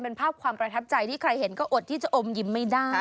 เป็นภาพความประทับใจที่ใครเห็นก็อดที่จะอมยิ้มไม่ได้